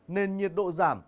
nên nhiệt độ giảm